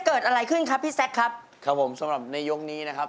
ใครจะสู้โนเกียเหละครับ